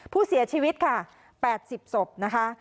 ผู้เสียชีวิตค่ะ๘๐ศพนะคะ